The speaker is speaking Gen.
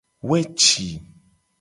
Weci.